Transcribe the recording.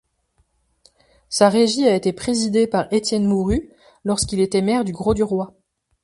Sa Régie a été présidée par Étienne Mourrut lorsqu'il était maire du Grau-du-Roi.